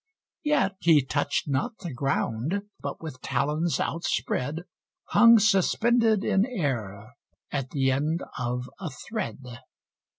Yet he touched not the ground, but with talons outspread, Hung suspended in air, at the end of a thread.